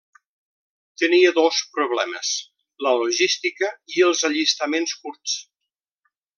Tenia dos problemes: la logística i els allistaments curts.